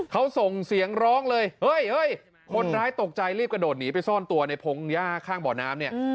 เขาส่งเสียงร้องเลยเฮ้ยคนร้ายตกใจรีบกระโดดหนีไปซ่อนตัวในพงหญ้าข้างบ่อน้ำเนี่ย